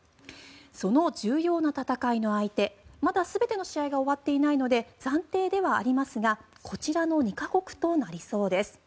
その重要な戦いの相手まだ全ての試合が終わっていないので暫定ではありますがこちらの２か国となりそうです。